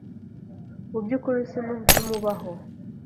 Mu byukuri sinumva ibimubaho.